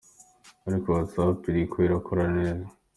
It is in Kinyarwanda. Ariko Whats app iriko irakora neza.